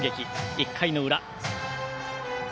１回の裏。